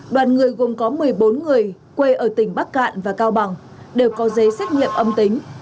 đoàn người gồm có một mươi bốn người quê ở tỉnh bắc cạn và cao bằng đều có giấy xét nghiệm âm tính